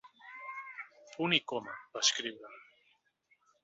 Punt i coma, va escriure.